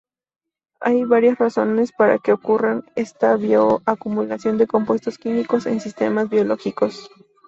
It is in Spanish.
Hay varias razones para que ocurra esta bioacumulación de compuestos químicos en sistemas biológicos.